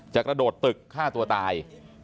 กระโดดตึกฆ่าตัวตาย